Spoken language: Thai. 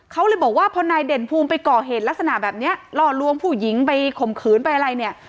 เขาเลยบอกว่าพอนายเด่นภูมิไปก่อเหตุลักษณะแบบนี้ล่อลวงผู้หญิงไปข่มขืนไปอะไรเนี่ย